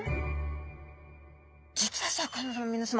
実はシャーク香音さま皆さま。